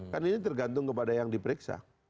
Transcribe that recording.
kan ini tergantung kepada yang diperiksa